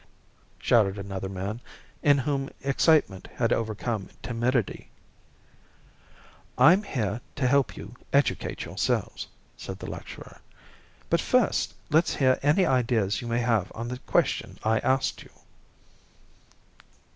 shouted another man, in whom excitement had overcome timidity. "I'm here to help you educate yourselves," said the lecturer. "But first let's hear any ideas you may have on the question I asked you."